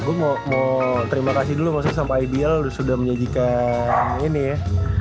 gue mau terima kasih dulu sama ideal udah menyajikan ini ya